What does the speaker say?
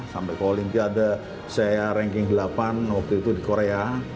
sampai kalau linknya ada saya ranking delapan waktu itu di korea